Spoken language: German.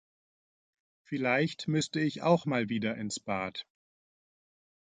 Vielleicht müsste ich auch mal wieder ins Bad.